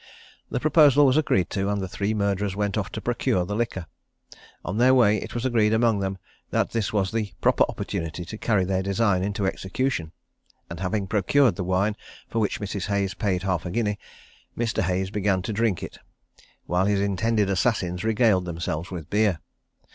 The proposal was agreed to, and the three murderers went off to procure the liquor. On their way, it was agreed among them that this was the proper opportunity to carry their design into execution, and having procured the wine, for which Mrs. Hayes paid half a guinea, Mr. Hayes began to drink it, while his intended assassins regaled themselves with beer.